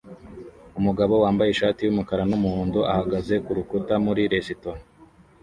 Umugabo wambaye ishati yumukara numuhondo ahagaze kurukuta muri resitora